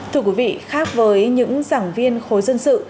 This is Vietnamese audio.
thưa quý vị khác với những giảng viên khối dân sự